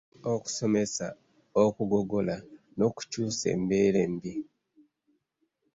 Okusomesa, okugogola n’okukyusa embeera embi